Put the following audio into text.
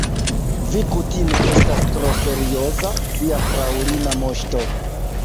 Vi kutime estas tro serioza, via fraŭlina moŝto.